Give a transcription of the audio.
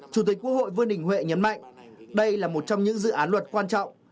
chủ tịch quốc hội vương đình huệ nhấn mạnh đây là một trong những dự án luật quan trọng